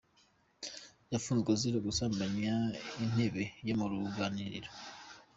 Yafunzwe azira gusambanya intebe yo mu ruganiriro